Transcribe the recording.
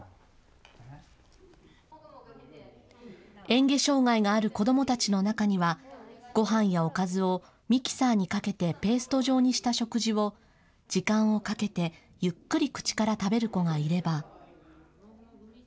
えん下障害がある子どもたちの中には、ごはんやおかずをミキサーにかけてペースト状にした食事を、時間をかけて、ゆっくり口から食べる子がいれば。